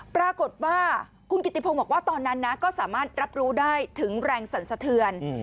ปรากฏว่าคุณกิติพงศ์บอกว่าตอนนั้นนะก็สามารถรับรู้ได้ถึงแรงสั่นสะเทือน